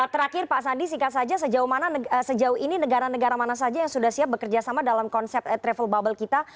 terakhir pak sandi sejauh ini negara negara mana saja yang sudah siap bekerjasama dalam konsep travel bubble kita